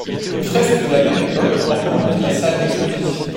Une fresque de la même époque ornemente la salle d’exposition.